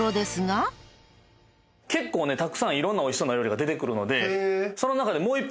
結構ねたくさんいろんなおいしそうな料理出てくるのでその中でもう１品